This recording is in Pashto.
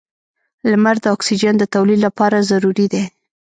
• لمر د اکسیجن د تولید لپاره ضروري دی.